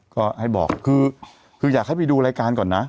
ก็ให้บอกคืออยากให้ไปดูรายการก่อนนะ